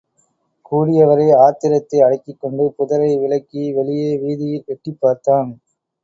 கூடியவரை ஆத்திரத்தை அடக்கிக்கொண்டு, புதரை விலக்கிவெளியே வீதியில் எட்டிப்பார்த்தான்.